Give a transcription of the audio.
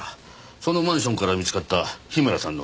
そのマンションから見つかった樋村さんの荷物です。